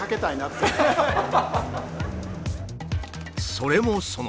それもそのはず